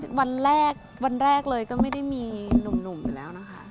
จริงกินข้าววันแรกเลยก็ไม่ได้มีหนุ่มอยู่แล้วนะคะ